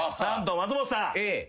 松本さんに。